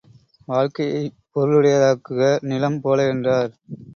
வாழ்க்கையைப் பொருளுடையதாக்குக நிலம் போல என்றார்.